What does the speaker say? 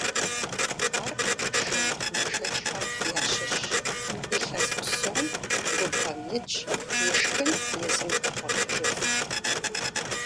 Ар шы нэхъ бэшэчхэм ящыщщ, илъэс псом губгъуэм итщ, и шхын езым къегъуэтыжыф.